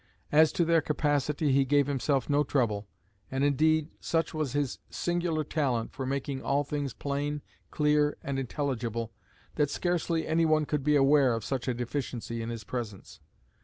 As to their capacity he gave himself no trouble; and, indeed, such was his singular talent for making all things plain, clear, and intelligible, that scarcely any one could be aware of such a deficiency in his presence.